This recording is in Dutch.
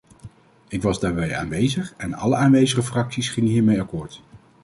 Ik was daarbij aanwezig, en alle aanwezige fracties gingen hiermee akkoord.